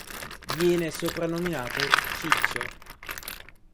Viene soprannominato "Ciccio".